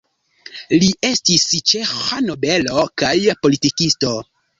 Li estis ĉeĥa nobelo kaj politikisto.